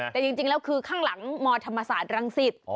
แต่จริงแล้วคือข้างหลังมธรรมศาสตร์รังสิต